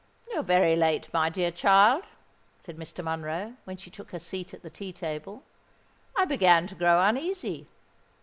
"You are very late, my dear child," said Mr. Monroe, when she took her seat at the tea table: "I began to grow uneasy."